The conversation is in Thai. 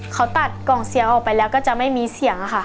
เขาตัดกล่องเสียงออกไปแล้วก็จะไม่มีเสียงค่ะ